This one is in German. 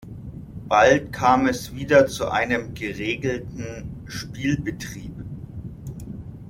Bald kam es wieder zu einem geregelten Spielbetrieb.